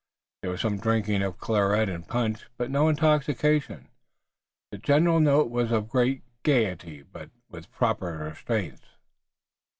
There was some drinking of claret and punch, but no intoxication. The general note was of great gayety, but with proper restraints.